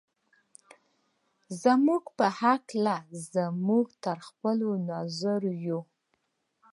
زموږ په هکله زموږ تر خپلو نظریو.